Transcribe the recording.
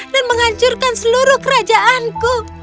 dan menghancurkan seluruh kerajaanku